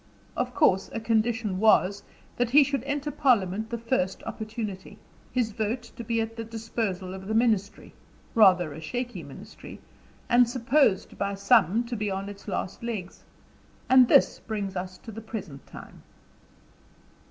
Of course a condition was, that he should enter parliament the first opportunity, his vote to be at the disposal of the ministry rather a shaky ministry and supposed, by some, to be on its last legs. And this brings us to the present time.